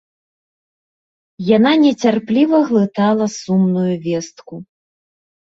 Яна нецярпліва глытала сумную вестку.